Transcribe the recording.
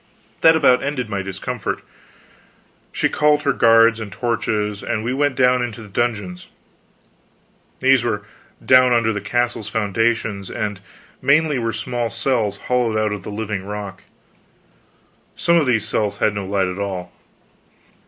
That about ended my discomfort. She called her guards and torches, and we went down into the dungeons. These were down under the castle's foundations, and mainly were small cells hollowed out of the living rock. Some of these cells had no light at all.